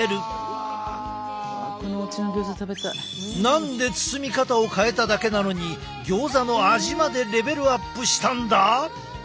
何で包み方を変えただけなのにギョーザの味までレベルアップしたんだ！？